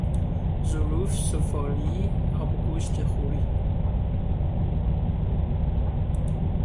ظروف سفالی آبگوشت خوری